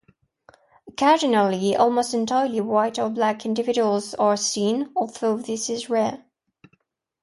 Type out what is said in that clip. Occasionally almost entirely white or black individuals are seen, although this is rare.